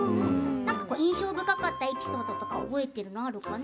印象深かったエピソードとか覚えてるのあるかな？